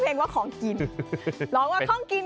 คล้องกินคล้องกินคล้องกิน